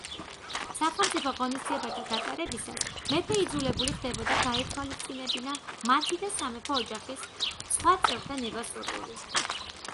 სახელმწიფო ღონისძიებათა გატარებისას მეფე იძულებული ხდებოდა გაეთვალისწინებინა მათი და სამეფო ოჯახის სხვა წევრთა ნება-სურვილი.